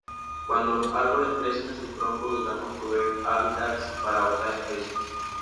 Cuando los árboles crecen sus troncos y ramas proveen hábitats para otras especies.